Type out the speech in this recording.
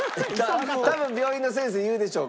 多分病院の先生言うでしょう